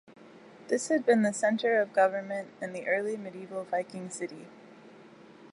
This had been the centre of government in the early medieval Viking city.